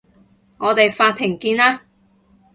我哋法庭見啦